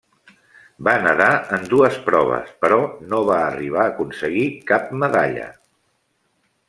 Va nedar en dues proves, però no va arribar a aconseguir cap medalla.